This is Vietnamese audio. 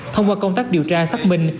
thông qua công tác điều tra xác minh